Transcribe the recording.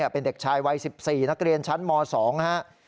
เป็นเด็กชายวัย๑๔นชั้นม๒ครับ